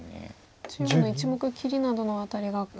中央の１目切りなどの辺りが。